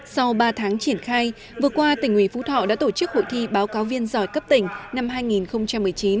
sau ba tháng triển khai vừa qua tỉnh ủy phú thọ đã tổ chức hội thi báo cáo viên giỏi cấp tỉnh năm hai nghìn một mươi chín